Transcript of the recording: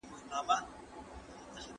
خلګ کولای سي امن وساتي.